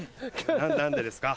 何でですか？